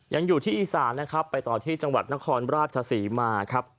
ยังอยู่ที่อีซานไปต่อที่จังหวัดนครราชศาสีมา